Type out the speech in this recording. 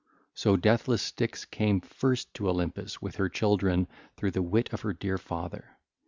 So deathless Styx came first to Olympus with her children through the wit of her dear father.